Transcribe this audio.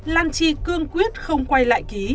lan chi cương quyết không quay lại ký